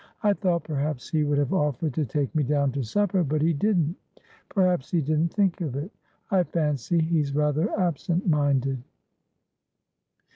I thought perhaps he would have offered to take me down to supper, but he didn't. Perhaps he didn't think of it; I fancy he's rather absentminded."